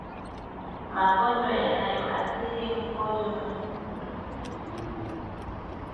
Magonjwa yanayoathiri mkojo mwekundu